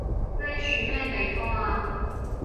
呢樹咩地方啊？